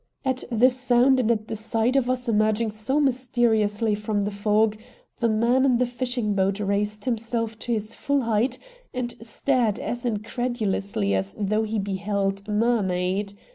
At the sound and at the sight of us emerging so mysteriously from the fog, the man in the fishing boat raised himself to his full height and stared as incredulously as though he beheld a mermaid.